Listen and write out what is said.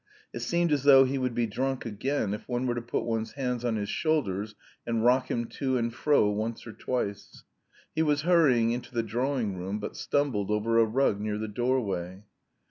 It seemed as though he would be drunk again if one were to put one's hands on his shoulders and rock him to and fro once or twice. He was hurrying into the drawing room but stumbled over a rug near the doorway.